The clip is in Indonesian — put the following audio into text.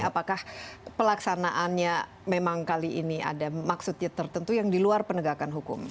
apakah pelaksanaannya memang kali ini ada maksudnya tertentu yang di luar penegakan hukum